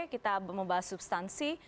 kita membahas substansi